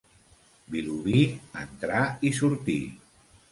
Vilobí, entrar i sortir.